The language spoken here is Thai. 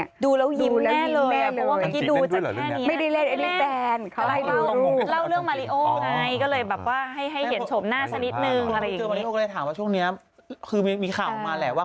กัญจิไกอางไง